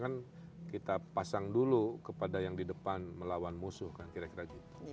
kan kita pasang dulu kepada yang di depan melawan musuh kan kira kira gitu